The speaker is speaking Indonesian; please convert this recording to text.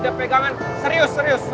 udah pegangan serius